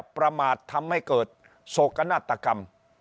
ประมาททำให้เกิดโศกนาฏกรรม